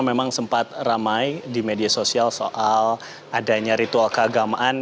memang sempat ramai di media sosial soal adanya ritual keagamaan